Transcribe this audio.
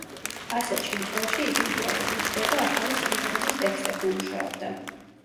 ასეთ შემთხვევაში იგი უბრალოდ იჯდა და ახალი სიმღერების ტექსტებზე მუშაობდა.